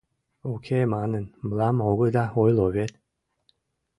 — Уке манын мылам огыда ойло вет?